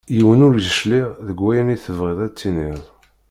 Yiwen ur yecliɛ deg wayen i tebɣiḍ ad d-tiniḍ.